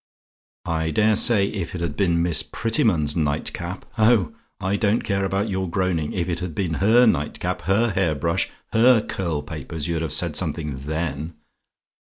I dare say if it had been Miss Prettyman's night cap oh, I don't care about your groaning if it had been her night cap, her hair brush her curl papers, you'd have said something then.